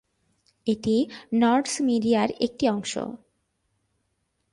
এটি নর্ডস্ মিডিয়ার একটি অংশ।